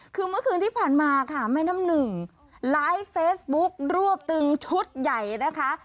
คือเมื่อคืนที่ผ่านมาค่ะแม่น้ำหนึ่งไลฟ์เฟซบุ๊กรวบตึงชุดใหญ่นะคะ